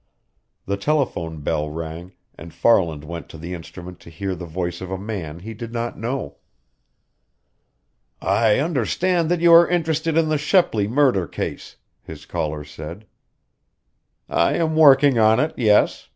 The telephone bell rang, and Farland went to the instrument to hear the voice of a man he did not know. "I understand that you are interested in the Shepley murder case," his caller said. "I am working on it, yes.